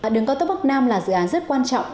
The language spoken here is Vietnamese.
đường cao tốc bắc nam là dự án rất quan trọng